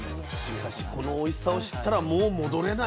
しかしこのおいしさを知ったらもう戻れないね。